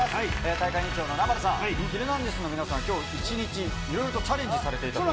大会委員長の南原さん、ヒルナンデス！の皆さん、きょう一日、いろいろとチャレンジされていると。